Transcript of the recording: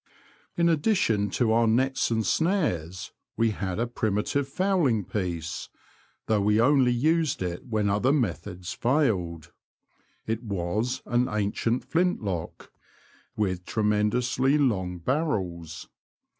In addition to our nets and snares we had a primitive fowling piece, though we only used it when other methods failed. It was an ancient flint lock, with tremendously long barrels.